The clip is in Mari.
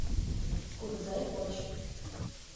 Кугызай, поч!